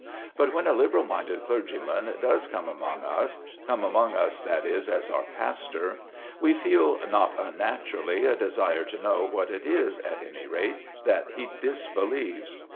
But when a liberal minded clergyman does come among us, come among us, that is, as our pastor, we feel not unnaturally a desire to know what it is, at any rate, that he disbelieves.